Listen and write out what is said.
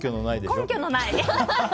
根拠のない。